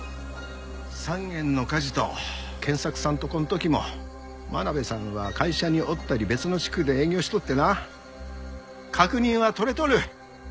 ３軒の火事と賢作さんとこん時も真鍋さんは会社におったり別の地区で営業しとってな確認は取れとる。